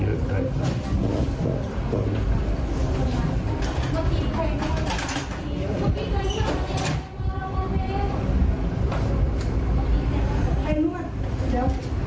ใครลวดเดี๋ยว